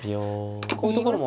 こういうところも。